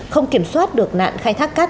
không kiểm soát được nạn khai thác cát